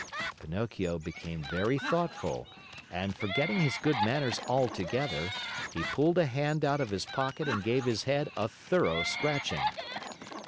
Pinocchio became very thoughtful and, forgetting his good manners altogether, he pulled a hand out of his pocket and gave his head a thorough scratching.